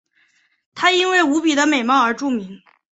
她因为无比的美貌而著名。